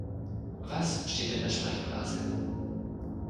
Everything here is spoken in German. Was steht in der Sprechblase?